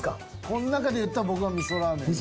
この中でいったら僕は味噌ラーメン。